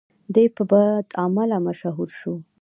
دی په بدعمله مشهور شو.